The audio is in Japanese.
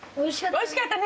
おいしかったね。